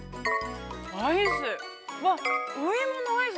アイス。